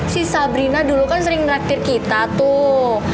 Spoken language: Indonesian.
si sabrina dulu kan sering ngeraktir kita tuh